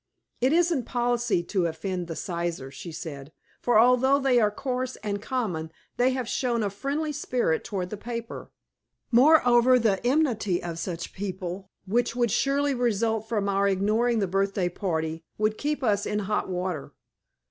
"It isn't policy to offend the Sizers," she said, "for although they are coarse and common they have shown a friendly spirit toward the paper. Moreover, the enmity of such people which would surely result from our ignoring the birthday party would keep us in hot water."